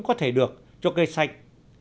có thể được cho cây xanh